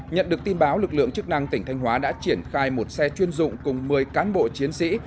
nhận được tin báo lực lượng chức năng tỉnh thanh hóa đã triển khai một xe chuyên dụng cùng một mươi cán bộ chiến sĩ